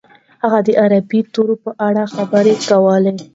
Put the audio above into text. هغه د عربي ژبې په اړه خبرې کولې.